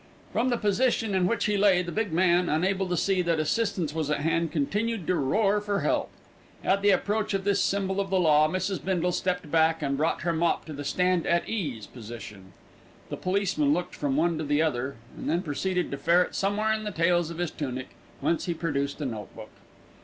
From the position in which he lay the big man, unable to see that assistance was at hand, continued to roar for help. At the approach of this symbol of the law, Mrs. Bindle stepped back and brought her mop to the stand at ease position. The policeman looked from one to the other, and then proceeded to ferret somewhere in the tails of his tunic, whence he produced a notebook.